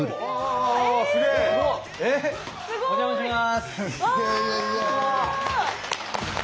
お邪魔します！